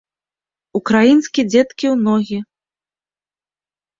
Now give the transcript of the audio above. Украінскі дзеткі ў ногі!